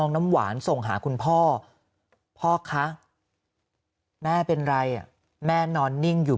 น้ำหวานส่งหาคุณพ่อพ่อคะแม่เป็นไรแม่นอนนิ่งอยู่